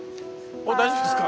大丈夫ですか？